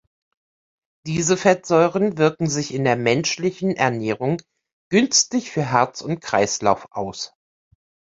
Diese Fettsäuren wirken sich in der menschlichen Ernährung günstig für Herz und Kreislauf aus.